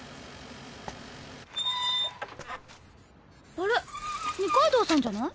あれ二階堂さんじゃない？